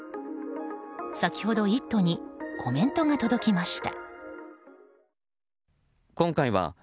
先ほど、「イット！」にコメントが届きました。